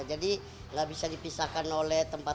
jadi tidak bisa dipisahkan oleh tempat tempat